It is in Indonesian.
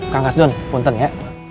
kang kasdun punten ya